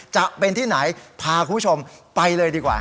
จะเป็นที่ไหนพาคุณผู้ชมไปเลยดีกว่า